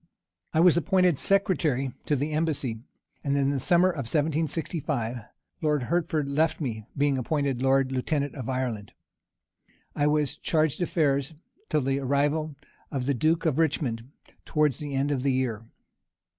I was appointed secretary to the embassy; and, in summer, 1765, Lord Hertford left me, being appointed lord lieutenant of Ireland. I was chargé d'affaires till the arrival of the duke of Richmond, towards the end of the year.